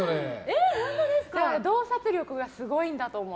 洞察力がすごいんだと思う。